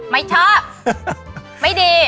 ไม่ชอบไม่ดี